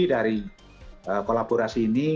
dari kolaborasi ini